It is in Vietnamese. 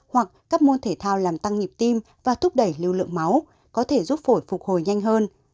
hoặc các môn thể thao làm tăng nhịp tim và thúc đẩy lưu lượng máu có thể giúp phổi phục hồi nhanh hơn